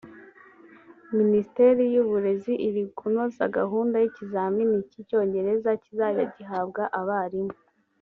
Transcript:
Minisiteri y’Uburezi iri kunoza gahunda y’ikizamini cy’Icyongereza kizajya gihabwa abarimu